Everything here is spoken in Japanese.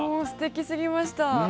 すてきすぎました。